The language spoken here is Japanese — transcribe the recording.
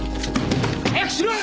早くしろよ！